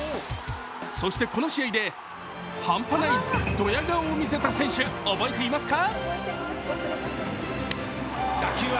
そして、この試合で半端ないドヤ顔を見せた選手、覚えていますか？